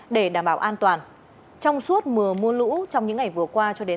để đảm bảo an toàn trong suốt mùa mưa lũ trong những ngày vừa qua cho đến